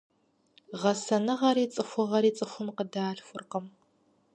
Гъэсэныгъэри цӏыхугъэри цӏыхум къыдалъхуркъым.